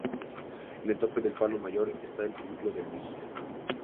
En el tope del palo mayor estaba el cubículo del vigía.